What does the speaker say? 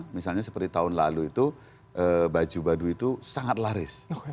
misalnya seperti tahun lalu itu baju badu itu sangat laris